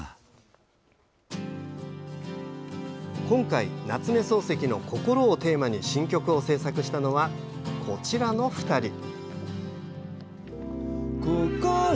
今回夏目漱石の「こころ」をテーマに新曲を制作したのはこちらの２人。